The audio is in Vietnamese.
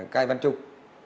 cài văn trung